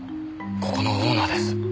ここのオーナーです。